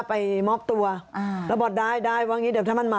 ไปมอบตัวอ่าแล้วบอกได้ได้ว่างี้เดี๋ยวถ้ามันมา